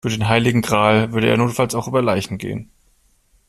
Für den heiligen Gral würde er notfalls auch über Leichen gehen.